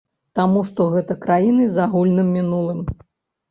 Таму што гэта краіны з агульным мінулым.